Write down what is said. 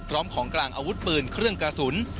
ของกลางอาวุธปืนเครื่องกระสุน